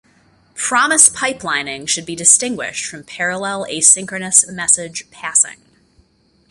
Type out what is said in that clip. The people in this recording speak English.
Promise pipelining should be distinguished from parallel asynchronous message passing.